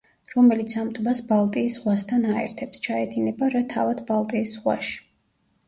რომელიც ამ ტბას ბალტიის ზღვასთან აერთებს, ჩაედინება რა თავად ბალტიის ზღვაში.